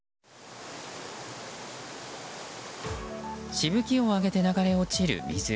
しぶきを上げて流れ落ちる水。